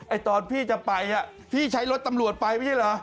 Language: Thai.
ตอนพี่จะไปพี่ใช้รถตำรวจไปไม่ใช่เหรอ